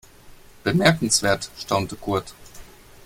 Bemerkenswert, staunte Kurt.